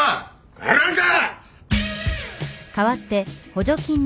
帰らんか！